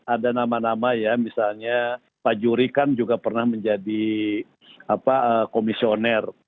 ada nama nama ya misalnya pak juri kan juga pernah menjadi komisioner